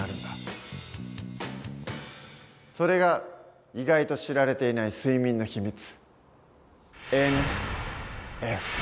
それが意外と知られていない睡眠のひみつ。